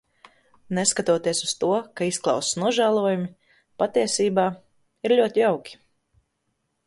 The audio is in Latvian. Neskatoties uz to, ka izklausās nožēlojami, patiesībā, ir ļoti jauki.